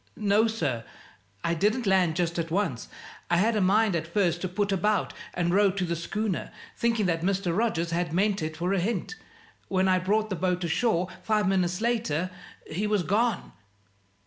"No, sir; I didn't land just at once. I had a mind at first to put about and row to the schooner, thinking that Mr. Rogers had meant it for a hint. When I brought the boat ashore, five minutes later, he was gone."